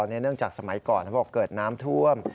เนื่องจากสมัยก่อนเขาบอกเกิดน้ำท่วม